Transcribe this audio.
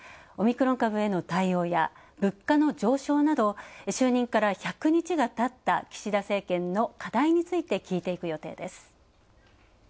オミクロン株への対応や物価の上昇など、就任から１００日がたった岸田政権の課題について聞いていく予定です。